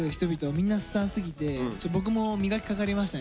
みんなスターすぎて僕も磨きかかりましたね。